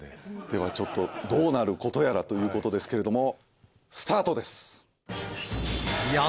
ではちょっとどうなることやらということですけれども。